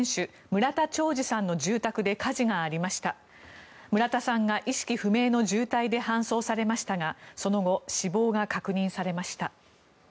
村田さんが意識不明の重体で搬送されましたがその後、死亡が確認されました。